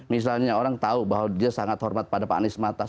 misalnya orang tahu bahwa dia sangat hormat pada pak anies matas